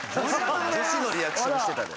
女子のリアクションしてたで。